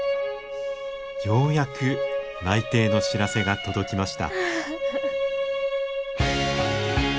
ようやく内定の知らせが届きました。